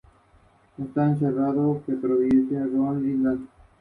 Caso las fuerzas no fueron retiradas a fines de agosto.